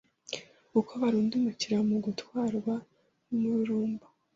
uko barundumukira mu gutwarwa n’umururumba.